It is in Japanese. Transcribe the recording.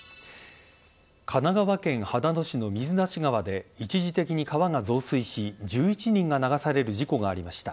神奈川県秦野市の水無川で一時的に川が増水し１１人が流される事故がありました。